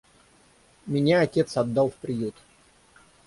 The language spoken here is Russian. Меня отец отдал в приют.